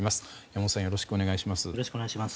山本さんよろしくお願いします。